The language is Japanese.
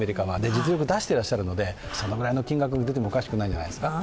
実力を出してらっしゃるのでそのくらいの金額が出てもおかしくないんじゃないですか。